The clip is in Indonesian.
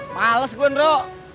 terus yuk nro